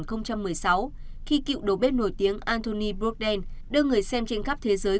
khi cựu đồ bếp nổi tiếng anthony broden đưa người xem trên khắp thế giới